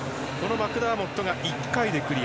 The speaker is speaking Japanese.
マクダーモットが１回でクリア。